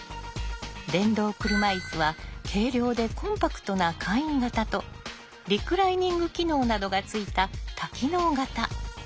電動車いすは軽量でコンパクトな簡易型とリクライニング機能などがついた多機能型。